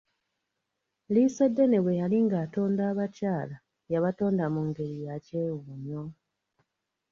Liisoddene bwe yali ng'atonda abakyala, yabatonda mu ngeri yakyewuunyo.